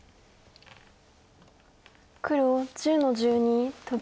黒１０の十二トビ。